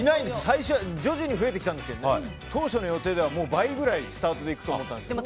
徐々に増えてきましたが当初の予定ではもう倍ぐらいスタートでいくと思ったんですが。